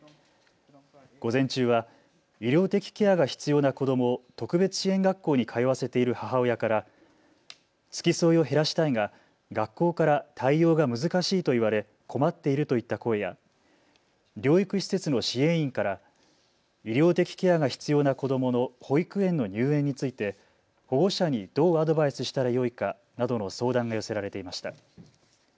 午前中は医療的ケアが必要な子どもを特別支援学校に通わせている母親から付き添いを減らしたいが学校から対応が難しいと言われ困っているといった声や療育施設の支援員から医療的ケアが必要な子どもの保育園の入園について保護者にどうアドバイスしたらよいかなどの相談が寄せられていました。